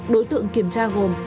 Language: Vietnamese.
đối tượng kiểm tra gồm